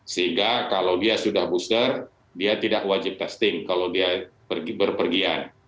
sehingga kalau dia sudah booster dia tidak wajib testing kalau dia berpergian